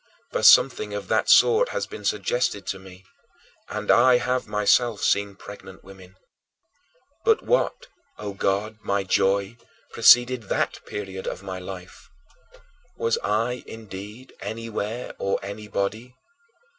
For something of that sort has been suggested to me, and I have myself seen pregnant women. But what, O God, my Joy, preceded that period of life? Was I, indeed, anywhere, or anybody?